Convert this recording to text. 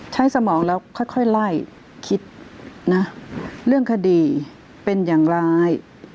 สมองแล้วค่อยไล่คิดนะเรื่องคดีเป็นอย่างไร